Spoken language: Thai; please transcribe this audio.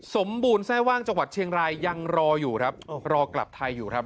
สมบูรณ์แทร่ว่างจังหวัดเชียงรายยังรออยู่ครับรอกลับไทยอยู่ครับ